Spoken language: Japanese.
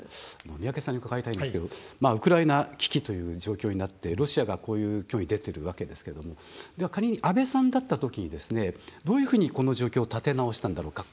宮家さんに伺いたいんですけどウクライナ危機という状況になって、ロシアがこういう挙に出てるわけですけど仮に安倍さんだったときにですねどういうふうにこの状況を立て直したんだろうか。